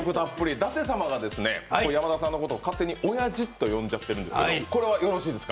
舘様が山田さんのことを勝手に「おやじ」と呼んじゃっているんですけどよろしかったですか？